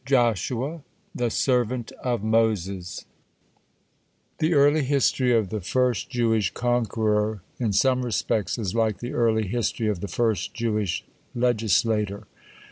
JOSHUA THE SERVANT OF MOSES The early history of the first Jewish conqueror (1) in some respects is like the early history of the first Jewish legislator.